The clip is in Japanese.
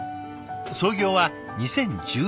創業は２０１７年。